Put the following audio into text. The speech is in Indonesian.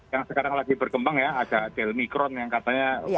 yang sekarang lagi berkembang ya ada delmikron yang katanya